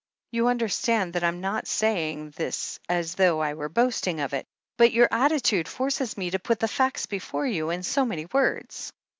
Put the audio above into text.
You understand that I'm not saying this as though I were boasting of it, but your attitude forces me to put the facts before you in so many words.